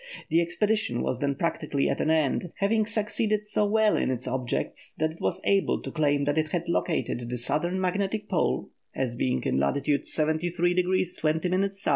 The expedition was then practically at an end, having succeeded so well in its objects that it was able to claim that it had located the Southern Magnetic Pole as being in latitude 73° 20' S.